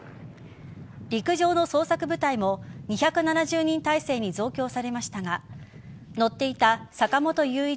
陸上の捜索部隊も２７０人態勢に増強されましたが乗っていた坂本雄一